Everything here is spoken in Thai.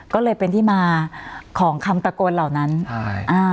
ก็เลยเป็นที่มาของคำตะโกนเหล่านั้นใช่อ่า